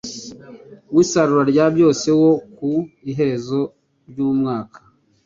w isarura rya byose wo ku iherezo ry umwaka